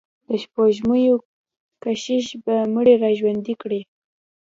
د سپوږمیو کشش به مړي را ژوندي کړي.